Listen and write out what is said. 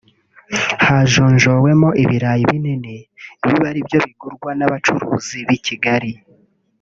hajonjowemo ibirayi binini bibe aribyo bigurwa n’abacuruzi b’i Kigali